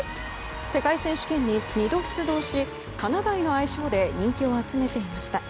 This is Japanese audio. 世界選手権に２度出場しかなだいの愛称で人気を集めていました。